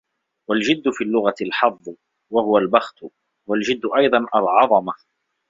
وَالْجِدُّ فِي اللُّغَةِ الْحَظُّ ، وَهُوَ الْبَخْتُ ، وَالْجَدُّ أَيْضًا الْعَظَمَةُ